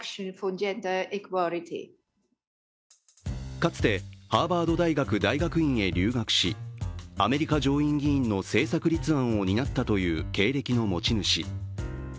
かつてハーバード大学大学院へ留学し、アメリカ上院議員の政策立案を担ったという経歴の持ち主。